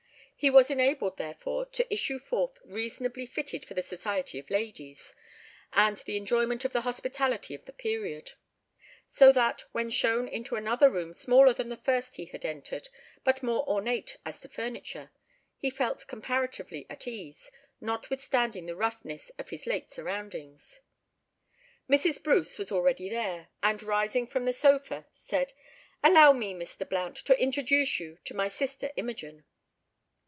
He was enabled, therefore, to issue forth reasonably fitted for the society of ladies, and the enjoyment of the hospitality of the period. So that, when shown into another room smaller than the first he had entered, but more ornate as to furniture, he felt comparatively at ease, notwithstanding the roughness of his late surroundings. Mrs. Bruce was already there, and, rising from a sofa, said— "Allow me, Mr. Blount, to introduce you to my sister Imogen."